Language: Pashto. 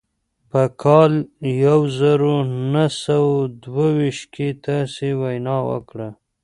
په کال يو زر و نهه سوه دوه ويشت کې تاسې وينا وکړه.